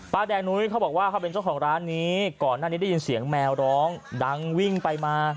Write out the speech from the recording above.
แดงนุ้ยเขาบอกว่าเขาเป็นเจ้าของร้านนี้ก่อนหน้านี้ได้ยินเสียงแมวร้องดังวิ่งไปมา